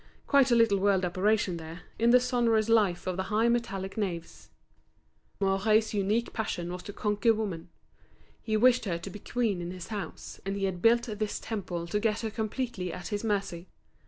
Quite a little world operated there, in the sonorous life of the high metallic naves. Mouret's unique passion was to conquer woman. He wished her to be queen in his house, and he had built this temple to get her completely at his mercy.